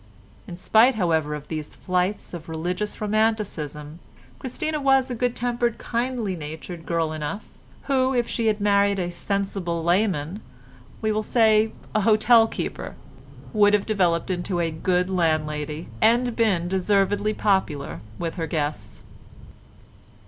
In spite, however, of these flights of religious romanticism, Christina was a good tempered kindly natured girl enough, who, if she had married a sensible layman—we will say a hotel keeper—would have developed into a good landlady and been deservedly popular with her guests.